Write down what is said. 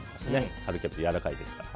春キャベツはやわらかいですから。